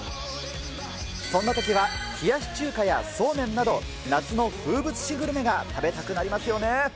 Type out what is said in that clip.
そんなときは冷やし中華やそうめんなど、夏の風物詩グルメが食べたくなりますよね。